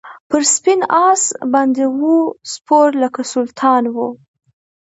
پر سپین آس باندي وو سپور لکه سلطان وو